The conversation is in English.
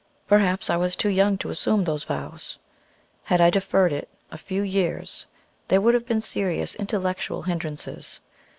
Perhaps I was too young to assume those vows. Had I deferred it a few years there would have been serious intellectual hindrances.